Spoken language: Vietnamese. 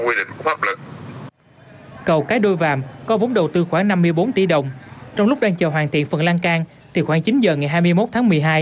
người dân hai bờ sông cái đôi vạm có vốn đầu tư khoảng năm mươi bốn tỷ đồng trong lúc đang chờ hoàn thiện phần lan can thì khoảng chín giờ ngày hai mươi một tháng một mươi hai